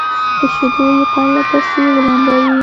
په شيدو يې پرله پسې ولمبوي